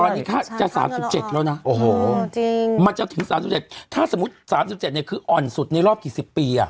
วันนี้ถ้าจะ๓๗แล้วนะโอ้โหมันจะถึง๓๗ถ้าสมมุติ๓๗เนี่ยคืออ่อนสุดในรอบกี่สิบปี